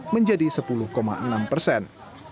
menjadi sepuluh enam persen